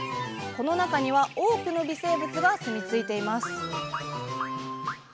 この中には多くの微生物が住み着いています